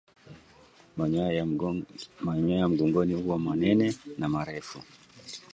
Manyoya ya mgongoni huwa manene na marefu